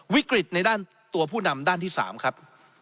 วิกฤตในด้านตัวผู้นำด้านที่๓ครับ